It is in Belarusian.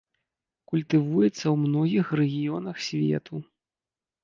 Культывуецца ў многіх рэгіёнах свету.